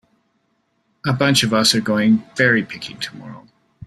A bunch of us are going berry picking tomorrow.